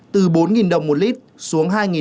từ bốn đồng một lít xuống